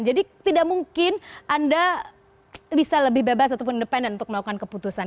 jadi tidak mungkin anda bisa lebih bebas ataupun independen untuk melakukan keputusan